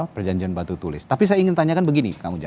perjanjian batu tulis tapi saya ingin tanyakan begini kang ujang